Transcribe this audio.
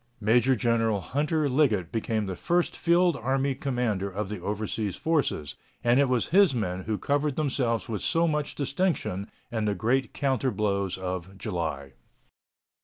Major General Hunter Liggett became the first field army commander of the overseas forces, and it was his men who covered themselves with so much distinction in the great counter blows of July.